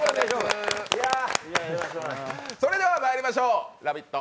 それではまいりましょう、「ラヴィット！」